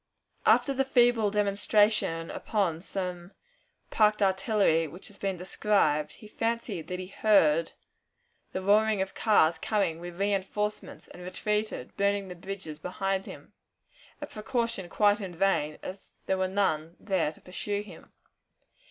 After the feeble demonstration upon some parked artillery which has been described, he fancied that he heard the roaring of cars coming with reënforcements, and retreated, burning the bridges behind him a precaution quite in vain, as there were none there to pursue him.